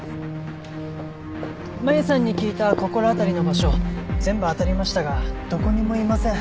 麻友さんに聞いた心当たりの場所全部あたりましたがどこにもいません。